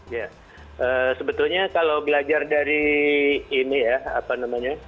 ya sebetulnya kalau belajar dari ini ya apa namanya